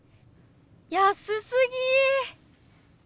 安すぎ！